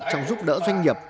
trong giúp đỡ doanh nghiệp